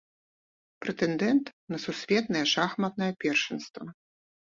Прэтэндэнт на сусветнае шахматнае першынства.